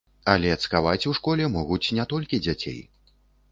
Але цкаваць у школе могуць не толькі дзяцей.